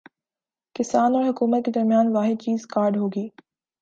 کسان اور حکومت کے درمیان واحد چیز کارڈ ہوگی